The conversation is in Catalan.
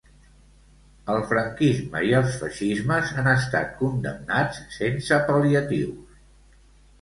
El franquisme i el feixismes han estat condemnats sense pal·liatius.